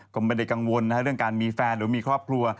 ก็ไม่ได้กังวลเรื่องการมีแฟนหรือมีครอบครัว